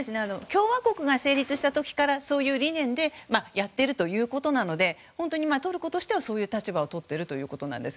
共和国が成立した時からそういう理念でやっているということなので本当にトルコとしてはそういう立場をとっているということです。